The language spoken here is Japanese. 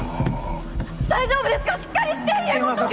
大丈夫ですか！？しっかりして家元！